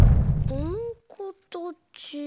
このかたち。